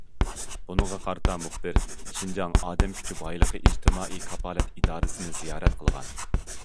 بۇنىڭغا قارىتا مۇخبىر شىنجاڭ ئادەم كۈچى بايلىقى- ئىجتىمائىي كاپالەت ئىدارىسىنى زىيارەت قىلغان.